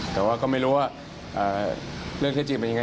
แต่ว่าก็ไม่รู้ว่าเรื่องที่จริงเป็นยังไง